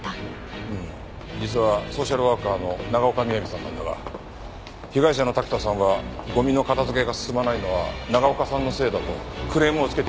うん実はソーシャルワーカーの長岡雅さんなんだが被害者の滝田さんはゴミの片づけが進まないのは長岡さんのせいだとクレームをつけていたらしい。